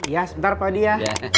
ya sebentar paudi ya